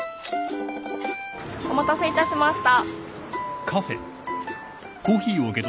お待たせいたしました。